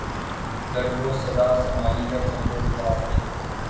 گر وہ صدا سمائی ہے چنگ و رباب میں